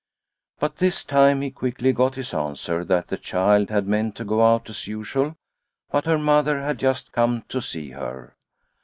But this time he quickly got his answer that the child had meant to go out as usual, but her mother had just come to see her.